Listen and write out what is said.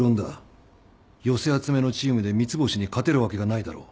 寄せ集めのチームで三ツ星に勝てるわけがないだろう。